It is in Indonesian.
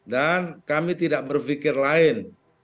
dan kami tidak berpikir lain